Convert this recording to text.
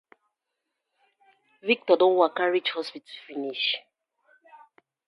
Victor don waka reach hospital finish.